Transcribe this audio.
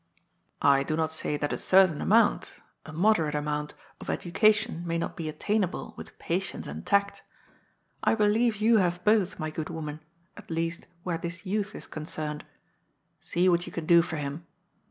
I do not say that a certain amount — a moderate amount — of education may not be attainable with patience and tact. I believe you have both, my good woman, at least where this youth is concerned. See what you can do for him.